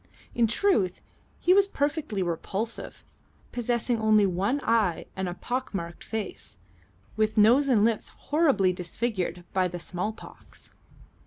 In truth he was perfectly repulsive, possessing only one eye and a pockmarked face, with nose and lips horribly disfigured by the small pox.